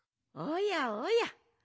おやおや。